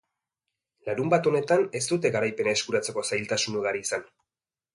Larunbat honetan ez dute garaipena eskuratzeko zailtasun ugari izan.